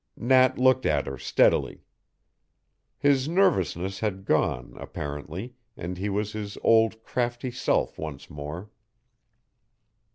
Nat looked at her steadily. His nervousness had gone, apparently, and he was his old crafty self once more.